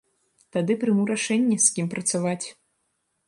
Тады прыму рашэнне, з кім працаваць.